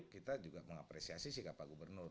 kita juga mengapresiasi si kepa gubernur